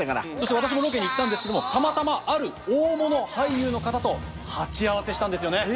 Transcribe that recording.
私もロケに行ったんですけどもたまたまある大物俳優の方と鉢合わせしたんですよね